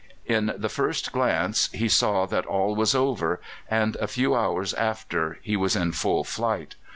In the first glance he saw that all was over, and a few hours after he was in full flight.